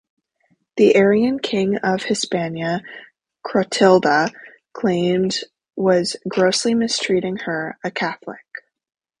The Arian king of Hispania, Chrotilda claimed, was grossly mistreating her, a Catholic.